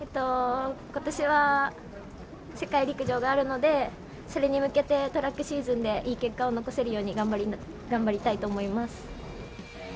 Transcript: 今年は世界陸上があるのでそれに向けてトラックシーズンでいい結果を残せるように頑張りたいと思います。